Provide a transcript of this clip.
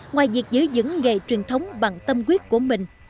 ngoài việc giữ nghề truyền thống bằng tâm quyết của mình